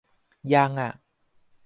ยังอ่ะ